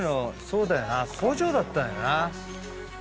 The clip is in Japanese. そうだよな工場だったよな。